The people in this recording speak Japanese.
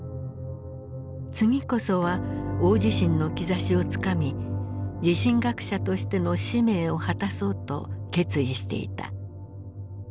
次こそは大地震の兆しをつかみ地震学者としての使命を果たそうと決意していた。